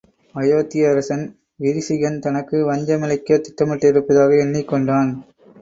அயோத்தியரசன், விரிசிகன் தனக்கு வஞ்சகமிழைக்கத் திட்டமிட்டிருப்பதாக எண்ணிக் கொண்டான்.